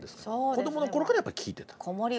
子どもの頃からやっぱり聴いてた。